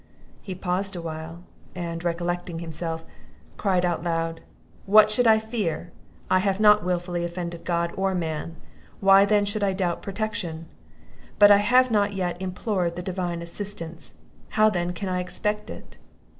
He paused a while; and, recollecting himself, cried out aloud. "What should I fear? I have not wilfully offended God or man; why then should I doubt protection? But I have not yet implored the divine assistance; how then can I expect it!"